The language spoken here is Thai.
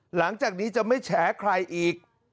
หลังจากนี้จะไม่แฉใครอีก